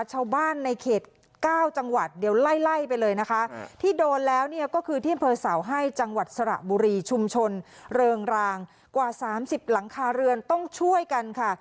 ชาวบ้านในเขต๙จังหวัดเดี๋ยวไล่ไล่ไปเลยนะคะที่โดนแล้วเนี่ยก็คือที่อำเภอเสาให้จังหวัดสระบุรีชุมชนเริงรางกว่า๓๐หลังคาเรือนต้องช่วยกันค่ะ